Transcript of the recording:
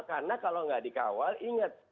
karena kalau nggak dikawal ingat